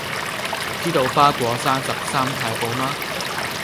知道花果山十三太保嗎